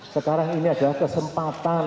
sekarang ini adalah kesempatan